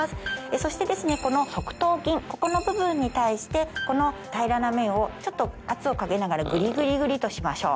そしてこの側頭筋ここの部分に対してこの平らな面をちょっと圧をかけながらグリグリグリとしましょう。